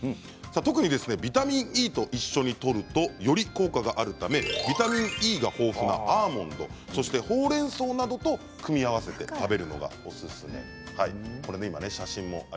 特にビタミンＥと一緒にとるとより効果があるためビタミンＥが豊富なアーモンドとほうれんそうなどと組み合わせて食べるのがおすすめ。